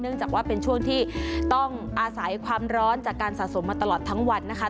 จากว่าเป็นช่วงที่ต้องอาศัยความร้อนจากการสะสมมาตลอดทั้งวันนะคะ